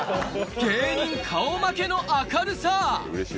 芸人顔負けの明るさ。